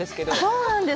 そうなんです。